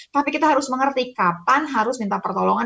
tapi kita harus mengerti kapan harus minta pertolongan